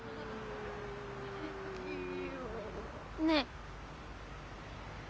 ねえ。